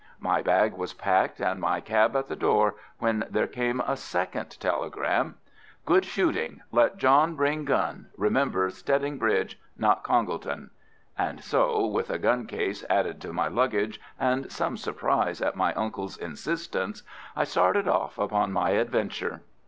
My bag was packed and my cab at the door, when there came a second telegram. "Good shooting. Let John bring gun. Remember Stedding Bridge, not Congleton." And so, with a gun case added to my luggage and some surprise at my uncle's insistence, I started off upon my adventure.